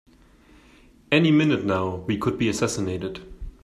Any minute now we could be assassinated!